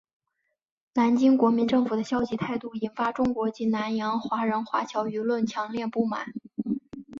南京国民政府的消极态度引发中国及南洋华人华侨舆论强烈不满。